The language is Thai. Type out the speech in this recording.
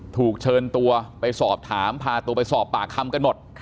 ถูกเชิญตัวไปสอบถามพาตัวไปสอบปากคำกันหมด